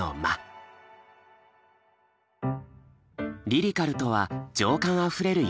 「リリカル」とは情感あふれる様子。